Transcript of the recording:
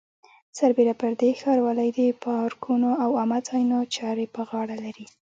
سربېره پر دې ښاروالۍ د پارکونو او عامه ځایونو چارې په غاړه لري.